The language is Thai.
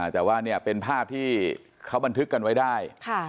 แต่ว่าเนี่ยเป็นภาพที่เขาบันทึกกันไว้ได้